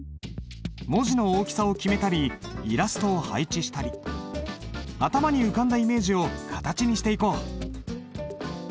文字の大きさを決めたりイラストを配置したり頭に浮かんだイメージを形にしていこう！